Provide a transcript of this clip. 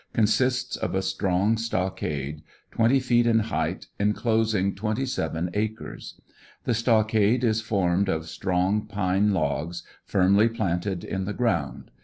, consists of a strong stockade, twenty feet in height, enclosing twenty seven acres. The stockade is formed of strong pine logs, firmly planted in REBEL TESTIMONY, 173 the ground.